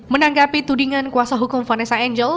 menanggapi tudingan kuasa hukum vanessa angel